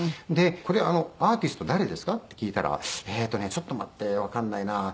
「これアーティスト誰ですか？」って聞いたら「えっとねちょっと待ってわかんないな」